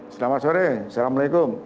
selamat sore assalamualaikum